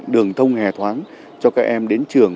đường thông hề thoáng cho các em đến trường